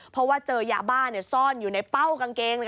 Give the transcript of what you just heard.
เพราะว่าเจอยาบ้าซ่อนอยู่ในเป้ากางเกง